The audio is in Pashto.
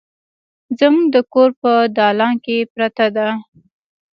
زموږ د کور په دالان کې پرته ده